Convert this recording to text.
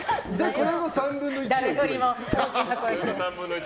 これの３分の１を。